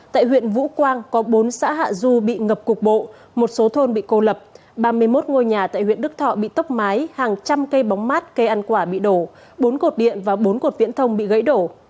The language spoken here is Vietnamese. tại huyện vũ quang có bốn xã hạ du bị ngập cục bộ một số thôn bị cô lập ba mươi một ngôi nhà tại huyện đức thọ bị tốc mái hàng trăm cây bóng mát cây ăn quả bị đổ bốn cột điện và bốn cột viễn thông bị gãy đổ